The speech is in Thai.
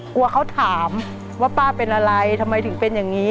กลัวเขาถามว่าป้าเป็นอะไรทำไมถึงเป็นอย่างนี้